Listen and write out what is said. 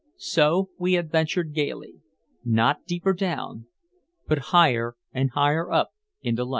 So we adventured gaily, not deeper down, but higher and higher up into life.